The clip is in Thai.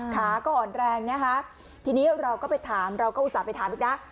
ขาก็อ่อนแรงนะคะทีนี้เราก็ไปถามเราก็อุตส่าห์ไปถามด้วยนะ